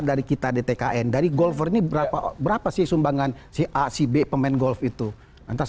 mau aliran yang perusahaan perusahaan besar